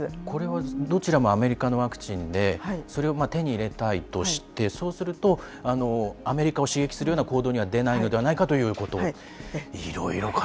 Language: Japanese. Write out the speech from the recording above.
これはどちらもアメリカのワクチンで、それを手に入れたいとして、そうすると、アメリカを刺激するような行動には出ないのではないかということ。